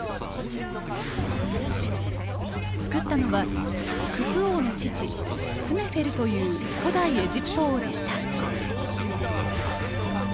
造ったのはクフ王の父スネフェルという古代エジプト王でした。